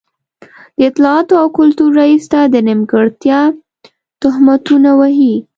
د اطلاعاتو او کلتور رئيس ته د نیمګړتيا تهمتونه وهي.